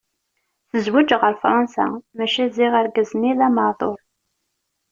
Tezweǧ ɣer Fransa, maca ziɣ argaz-nni d ameɛḍur.